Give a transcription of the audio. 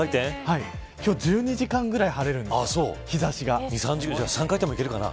今日１２時間ぐらいじゃあ、３回転もいけるかな。